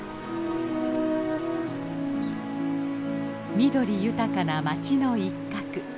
緑豊かな街の一角。